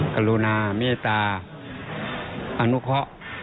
กรุณาเมตตาอนุเคาะ